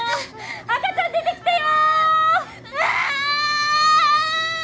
赤ちゃん出てきたよあっ！